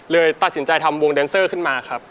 เลยตัดสินใจทำวงแดนเซอร์ขึ้นมาครับ